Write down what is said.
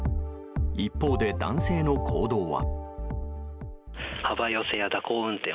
一方で男性の行動は。